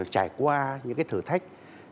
trải qua những cái thử thách